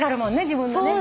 自分のね。